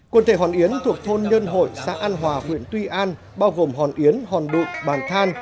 quần thể hòn yến thuộc thôn nhân hội xã an hòa huyện tuy an bao gồm hòn yến hòn đụng bàn than